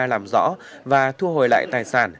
làm rõ và thu hồi lại tài sản